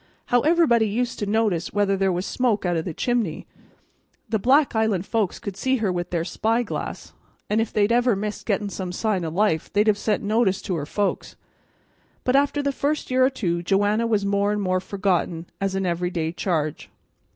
"How everybody used to notice whether there was smoke out of the chimney! The Black Island folks could see her with their spy glass, and if they'd ever missed getting some sign o' life they'd have sent notice to her folks. But after the first year or two Joanna was more and more forgotten as an every day charge.